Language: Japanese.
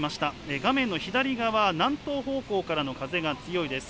画面の左側、南東方向からの風が強いです。